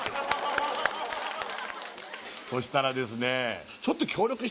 そしたらですね